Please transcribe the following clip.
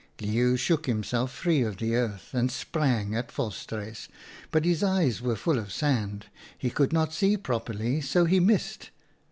" Leeuw shook himself free of the earth and sprang at Volstruis, but his eyes were full of sand ; he could not see properly, so he missed.